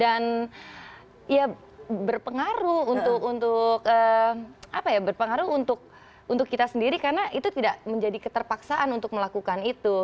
dan ya berpengaruh untuk untuk apa ya berpengaruh untuk untuk kita sendiri karena itu tidak menjadi keterpaksaan untuk melakukan itu